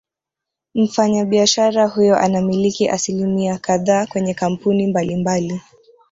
Mfanyabiashara huyo anamiliki asilimia kadhaa kwenye kampuni mbali mbali